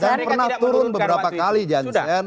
dan pernah turun beberapa kali janssen